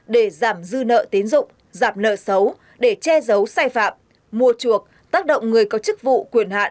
để giảm dư nợ tiến dụng giảm nợ xấu để che giấu sai phạm mua chuộc tác động người có chức vụ quyền hạn